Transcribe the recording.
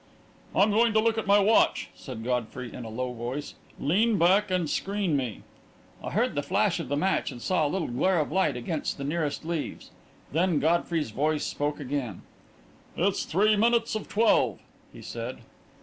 "I'm going to look at my watch," said Godfrey, in a low voice. "Lean back and screen me." I heard the flash of the match and saw a little glare of light against the nearest leaves. Then Godfrey's voice spoke again. "It's three minutes of twelve," he said.